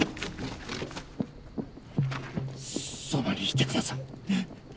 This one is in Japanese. そばにいてください。